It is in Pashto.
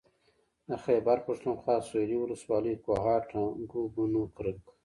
د خېبر پښتونخوا سوېلي ولسوالۍ کوهاټ هنګو بنو کرک